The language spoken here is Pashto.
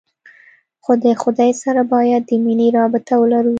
خو د خداى سره بايد د مينې رابطه ولرو.